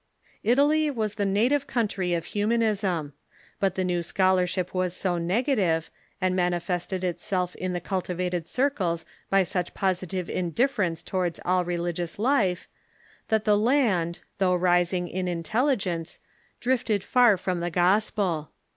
Italy Avas the native country of Humanism. But the new scholarship was so negative, and manifested itself in the culti vated circles by such positive indifference towards Humanis" ^^^ religious life, that the land, though rising in in telligence, drifted far from the gospel.